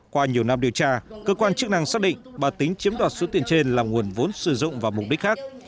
qua nhiều năm điều tra cơ quan chức năng xác định bà tính chiếm đoạt số tiền trên là nguồn vốn sử dụng vào mục đích khác